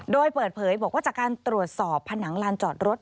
โดยเปิดเผยบอกว่าจากการตรวจสอบผนังลานจอดรถ